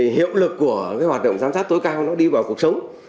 hiệu lực của hoạt động giám sát tối cao nó đi vào cuộc sống